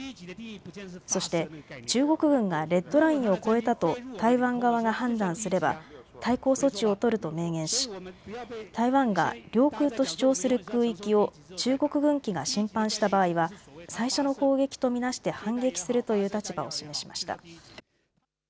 そして中国軍がレッドラインを越えたと台湾側が判断すれば対抗措置を取ると明言し、台湾が領空と主張する空域を中国軍機が侵犯した場合は最初の砲撃と見なして反撃するという立場を示しました。